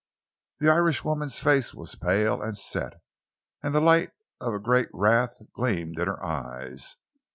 The Irishwoman's face was pale and set, and the light of a great wrath gleamed in her eyes.